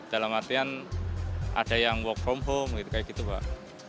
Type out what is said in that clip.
dalam artian ada yang work from home gitu kayak gitu pak